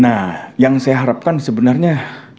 nah yang saya harapkan sebenarnya